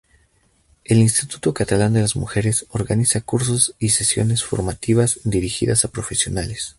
El Instituto Catalán de las Mujeres organiza cursos y sesiones formativas dirigidas a profesionales.